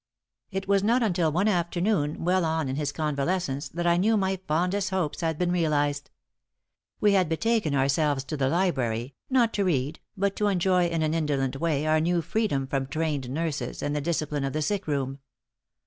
It was not until one afternoon well on in his convalescence that I knew my fondest hopes had been realized. We had betaken ourselves to the library, not to read but to enjoy in an indolent way our new freedom from trained nurses and the discipline of the sick room.